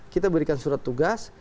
kita berikan surat tugas